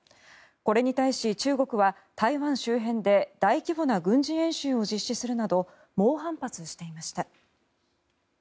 これに対し、中国は台湾周辺で大規模な軍事演習を実施するなど猛反発していました。